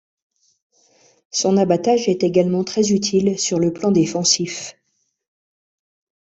Son abattage est également très utile sur le plan défensif.